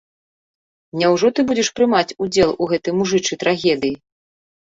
Няўжо ты будзеш прымаць удзел у гэтай мужычай трагедыі?